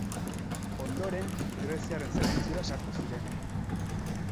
Ondoren, greziarren zerbitzura sartu ziren.